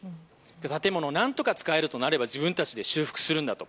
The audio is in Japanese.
建物を何とか使えるとなれば自分たちで修復するんだ。